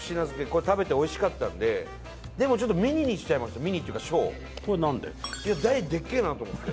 これ食べておいしかったんででもミニにしちゃいましたミニっていうか小これは何で？